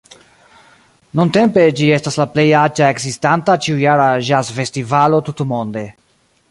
Nuntempe ĝi estas la plej aĝa ekzistanta, ĉiujara ĵazfestivalo tutmonde.